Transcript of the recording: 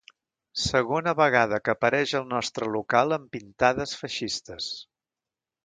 Segona vegada que apareix el nostre local amb pintades feixistes.